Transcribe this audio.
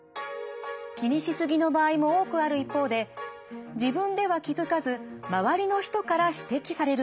気にし過ぎの場合も多くある一方で自分では気付かず周りの人から指摘されることも。